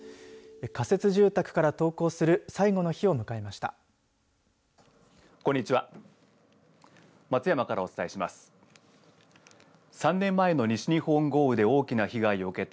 仮設住宅から登校する最後の日を迎えました。